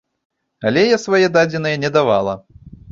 Але я свае дадзеныя не давала.